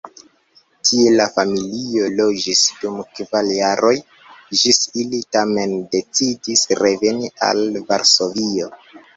Tie la familio loĝis dum kvar jaroj, ĝis ili tamen decidis reveni al Varsovio.